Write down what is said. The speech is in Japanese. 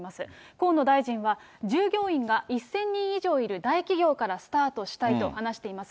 河野大臣は、従業員は１０００人以上いる大企業からスタートしたいと話しています。